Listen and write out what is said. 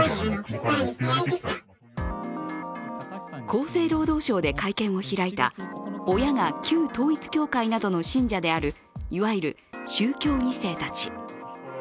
厚生労働省で会見を開いた親が旧統一教会などの信者であるいわゆる宗教２世たち。